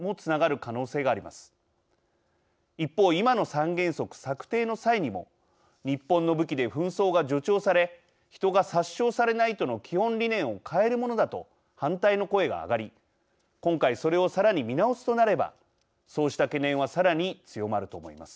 一方今の三原則策定の際にも日本の武器で紛争が助長され人が殺傷されないとの基本理念を変えるものだと反対の声が上がり今回それをさらに見直すとなればそうした懸念はさらに強まると思います。